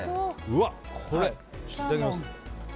いただきます。